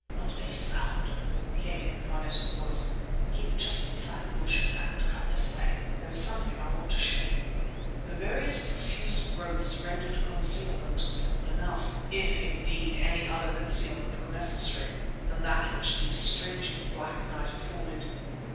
"Not a sound!" came in Carneta's voice. "Keep just inside the bushes and come this way. There is something I want to show you." The various profuse growths rendered concealment simple enough—if indeed any other concealment were necessary than that which the strangely black night afforded.